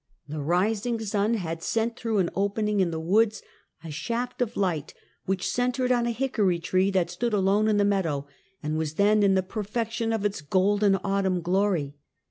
The rising sun had sent, through an opening in the woods, a shaft of light, which centred on a hickory tree that stood alone in the meadow, and was then in the perfection of its golden autumn glory.